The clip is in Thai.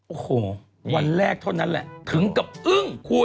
โอ้โหวันแรกเท่านั้นแหละถึงกับอึ้งคุณ